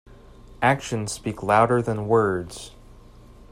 Actions speak louder than words.